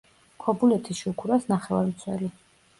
ქობულეთის „შუქურას“ ნახევარმცველი.